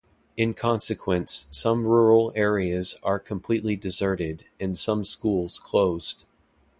In consequence, some rural areas are completely deserted, and some schools closed.